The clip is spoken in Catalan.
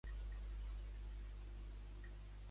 M'omple de joia la cançó "Ghost Division".